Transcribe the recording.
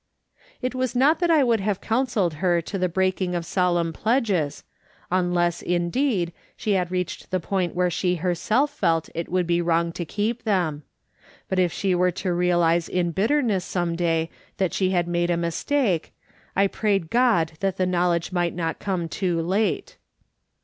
It was not that I would have counselled her to the breaking of solemn pledges, unless, indeed, she reached the point where she herself felt it would be wrong to keep them ; but if she were to realise in bitterness some day that she had made a mistake, I prayed God that the knowledge might not come too late.